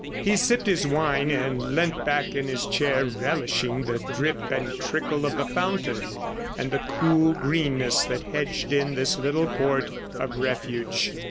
He sipped his wine, and leant back in his chair relishing the drip and trickle of the fountain, and the cool greenness that hedged in this little port of refuge.